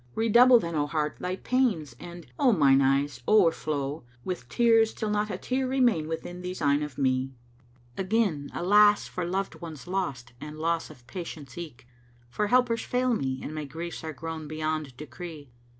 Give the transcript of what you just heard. Redouble then, O Heart, thy pains and, O mine eyes, o'erflow * With tears till not a tear remain within these eyne of me? Again alas for loved ones lost and loss of patience eke! * For helpers fail me and my griefs are grown beyond decree.